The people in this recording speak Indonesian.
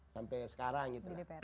sampai sekarang gitu